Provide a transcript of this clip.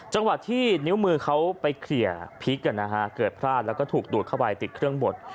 จังหวะที่นิ้วมือเขาไปเคลียร์พลิกเกิดพลาดแล้วก็ถูกดูดเข้าไปติดเครื่องบด